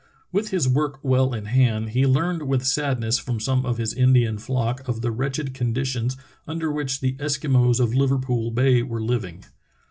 With his work well in hand he learned with sadness from some of his Indian flock of the wretched condi tions under which the Eskimos of Liverpool Bay were living.